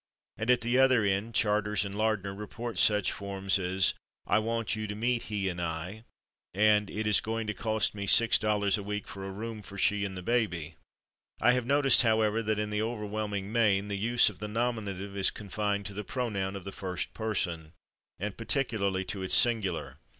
And at the other end Charters and Lardner report such forms as "I want you to meet /he/ and /I/" and "it is going to cost me $6 a week for a room for /she/ and the baby." I have noticed, however, that, in the overwhelming main, the use of the nominative is confined to the pronoun of the first person, and particularly to its singular.